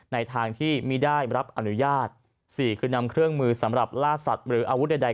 ในทางที่ไม่ได้รับอนุญาต๔คือนำเครื่องมือสำหรับล่าสัตว์หรืออาวุธใด